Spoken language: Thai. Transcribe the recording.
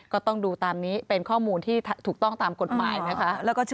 ก็ต้องดูตามนี้เป็นข้อมูลที่ถูกต้องตามกฎหมายนะคะ